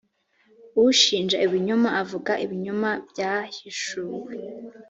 ushinja ibinyoma avuga ibinyoma byahishuwe.